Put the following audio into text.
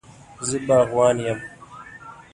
زه باغوان یم